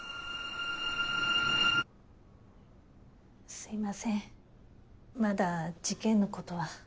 すいませんまだ事件のことは。